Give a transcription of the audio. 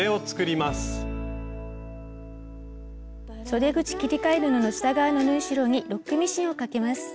そで口切り替え布の下側の縫い代にロックミシンをかけます。